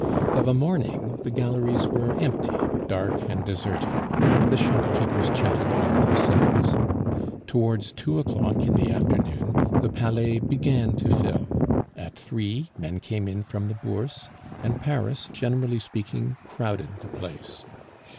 Of a morning the galleries were empty, dark, and deserted; the shopkeepers chatted among themselves. Towards two o'clock in the afternoon the Palais began to fill; at three, men came in from the Bourse, and Paris, generally speaking, crowded the place.